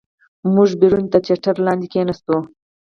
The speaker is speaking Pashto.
موږ بیرون د چتر لاندې کېناستو.